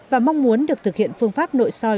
và mong muốn được thực hiện phương pháp nội soi